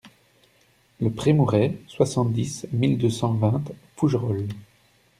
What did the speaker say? Le Prémourey, soixante-dix mille deux cent vingt Fougerolles